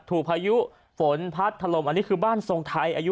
ถูกพายุฝนพัดถลมอันนี้คือบ้านทรงไทย